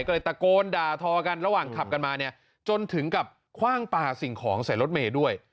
ก็เลยตะโกนด่าทอกันระหว่างขับกันมาเนี่ยจนถึงกับคว่างปลาสิ่งของใส่รถเมย์ด้วย